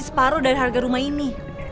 separuh dari harga rumah ini